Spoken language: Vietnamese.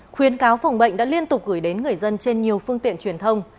khuyến cáo phòng bệnh đã liên tục gửi đến người dân trên nhiều phương tiện truyền thông